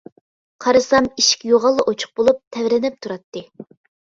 قارىسام، ئىشىك يوغانلا ئوچۇق بولۇپ، تەۋرىنىپ تۇراتتى.